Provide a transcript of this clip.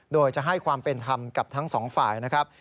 โดยจะให้ความเป็นธรรมกับทั้งสองฝ่ายนะครับ